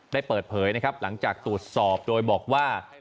เปิดเผยนะครับหลังจากตรวจสอบโดยบอกว่า